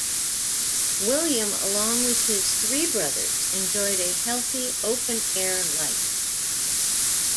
William along with his three brothers enjoyed a healthy open-air life.